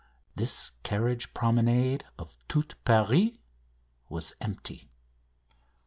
This carriage promenade of Tout Paris was empty.